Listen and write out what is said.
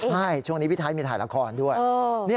ใช่ช่วงนี้พี่ไทยมีถ่ายละครด้วย